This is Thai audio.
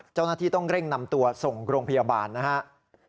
เจ้าหน้าที่ต้องเร่งนำตัวส่งโรงพยาบาลนะครับ